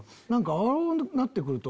ああなって来ると。